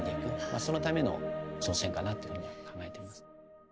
そのための挑戦かなっていうふうには考えています。